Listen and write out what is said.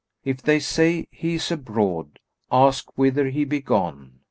If they say, 'He is abroad'; ask whither he be gone."